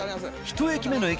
１駅目の駅